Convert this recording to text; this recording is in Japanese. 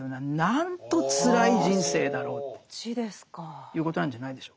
そっちですか。ということなんじゃないでしょうか。